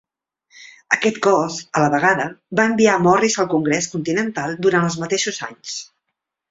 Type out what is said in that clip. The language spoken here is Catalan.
Aquest cos, a la vegada, va enviar a Morris al Congrés continental durant els mateixos anys.